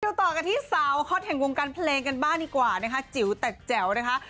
ต่อกันที่สาวฮอตแห่งวงการเพลงกันบ้างดีกว่านะคะจิ๋วแต่แจ๋วนะคะ